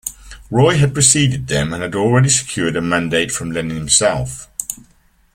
Roy had preceded them and had already secured a mandate from Lenin himself.